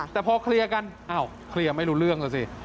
แต่พอเคลียร์กันอ้าวเคลียร์ไม่รู้เรื่องแล้วสิ